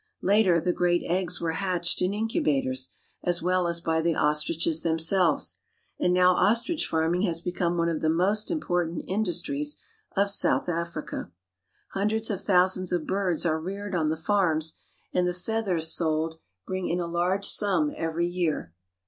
Later the great eggs were hatched in incubators, as well as by the ostriches themselves ; and now ostrich farming has be come one of the most important industries of South Africa. Hundreds of thousands of birds are reared on the farms, and the feathers sold bring in a large sum every year.